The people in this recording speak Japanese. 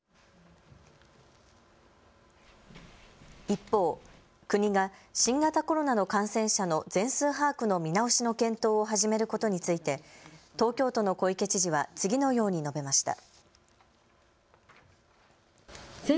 一方、国が新型コロナの感染者の全数把握の見直しの検討を始めることについて東京都の小池知事は次のように述べました。